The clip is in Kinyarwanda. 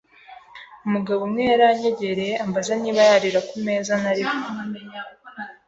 umugabo umwe yaranyegereye ambaza niba yarira ku meza nariho,